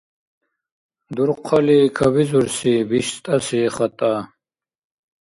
Дурхъали кабизурси биштӀаси хатӀа